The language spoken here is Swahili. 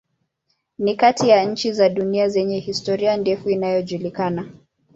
Ni kati ya nchi za dunia zenye historia ndefu inayojulikana.